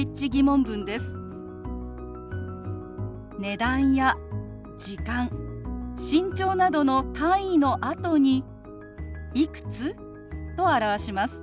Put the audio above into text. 値段や時間身長などの単位のあとに「いくつ？」と表します。